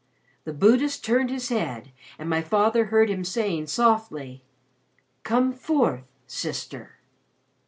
The Buddhist turned his head and my father heard him say softly: 'Come forth, Sister.'